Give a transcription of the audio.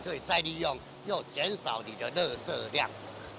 dan ini bisa digunakan untuk mengurangkan jumlah kelebihan